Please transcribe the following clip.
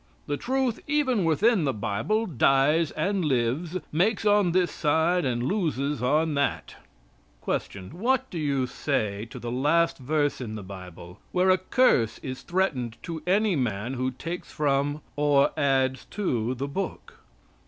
The truth even within the Bible dies and lives, makes on this side and loses on that." Q. What do you say to the last verse in the Bible, where a curse is threatened to any man who takes from or adds to the book?